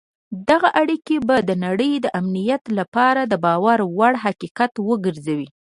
دغه اړیکي به د نړۍ د امنیت لپاره د باور وړ حقیقت وګرځي.